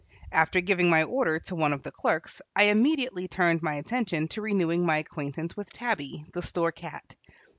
After giving my order to one of the clerks I immediately turned my attention to renewing my acquaintance with Tabby, the store cat.